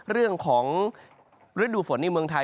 เรื่องของฤดูฝนในเมืองไทย